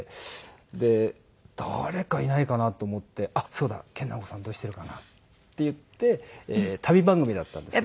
で誰かいないかなと思ってあっそうだ研ナオコさんどうしてるかな？っていって旅番組だったんですよ。